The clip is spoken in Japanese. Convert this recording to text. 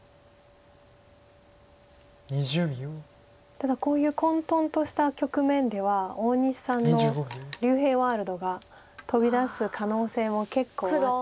ただこういう混沌とした局面では大西さんの竜平ワールドが飛び出す可能性も結構あって。